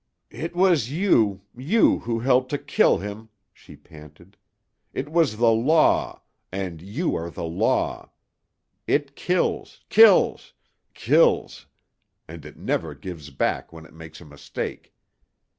"It was you you who helped to kill him!" she panted. "It was the Law and you are the Law. It kills kills kills and it never gives back when it makes a mistake.